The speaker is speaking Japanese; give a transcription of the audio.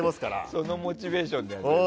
そのモチベーションで。